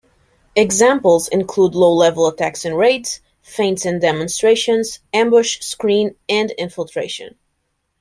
Examples include low level attacks and raids, feints and demonstrations, ambush, screen and infiltration.